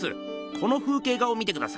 この風景画を見てください。